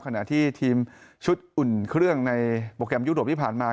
ขณะที่ทีมชุดอุ่นเครื่องในโปรแกรมยุโรปที่ผ่านมา